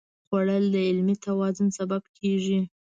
خوړل د علمي توان سبب کېږي